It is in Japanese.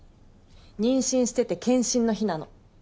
妊娠してて検診の日なの。